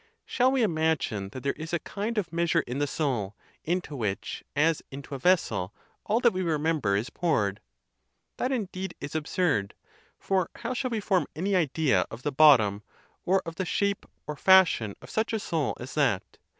Shall we imagine that there is a kind of measure in the soul, into which, as into a vessel, all that we remember is poured? That indeed is absurd; for how shall we form any idea of the bottom, or of the shape or fashion of such a soul as that?